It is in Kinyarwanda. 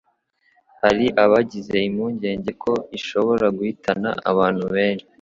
hari abagize impungenge ko ishobora guhitana abantu benshi,